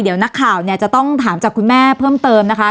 เดี๋ยวนักข่าวเนี่ยจะต้องถามจากคุณแม่เพิ่มเติมนะคะ